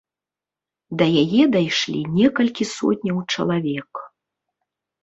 Да яе дайшлі некалькі сотняў чалавек.